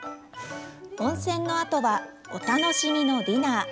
温泉のあとはお楽しみのディナー。